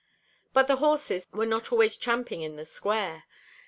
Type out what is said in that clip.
But the horses were not always champing in the square.